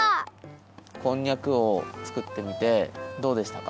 こんにゃくをつくってみてどうでしたか？